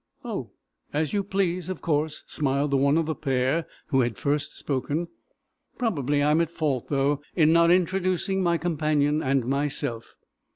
"Oh, as you please, of course," smiled the one of the pair who had first spoken. "Probably I am at fault, though, in not introducing my companion and myself.